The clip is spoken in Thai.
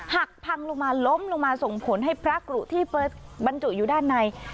หักพังลงมาล้มลงมาส่งผลให้พระกรุที่บรรจุอยู่ด้านใน